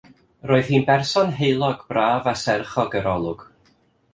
Roedd hi'n berson heulog, braf a serchog yr olwg.